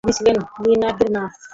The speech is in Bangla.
তিনি ছিলেন লিওনার্দোর মা।